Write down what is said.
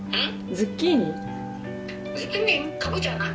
ズッキーニ。